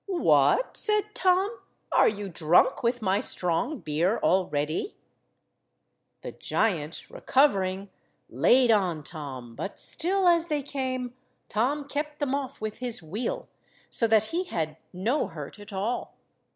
"What," said Tom, "are you drunk with my strong beer already?" The giant, recovering, laid on Tom, but still as they came, Tom kept them off with his wheel, so that he had no hurt at all.